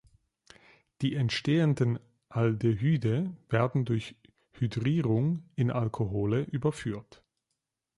Die entstehenden Aldehyde werden durch Hydrierung in Alkohole überführt.